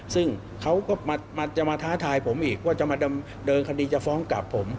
ซึ่งเขาก็จะมาท้าทายผมอีกว่าจะมาดำเนินคดีจะฟ้องกลับผม